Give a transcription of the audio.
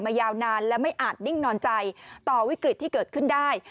ยาวนานและไม่อาจนิ่งนอนใจต่อวิกฤตที่เกิดขึ้นได้